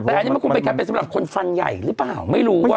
แต่อันนี้มันคงเป็นแคมเปญสำหรับคนฟันใหญ่หรือเปล่าไม่รู้